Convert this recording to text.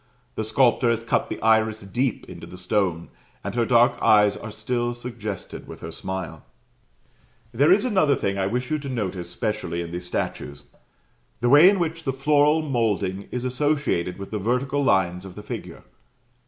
The sculptor has cut the iris deep into the stone, and her dark eyes are still suggested with her smile. There is another thing I wish you to notice specially in these statues the way in which the floral moulding is associated with the vertical lines of the figure.